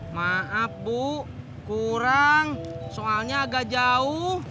maaf bu kurang soalnya agak jauh